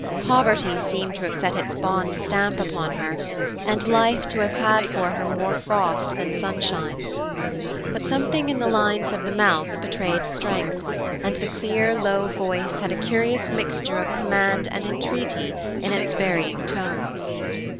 Poverty seemed to have set its bond stamp upon her, and life to have had for her more frost than sunshine. But something in the lines of the mouth betrayed strength, and the clear, low voice had a curious mixture of command and entreaty in its varying tones.